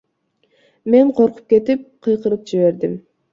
Мен коркуп кетип, кыйкырып жибердим.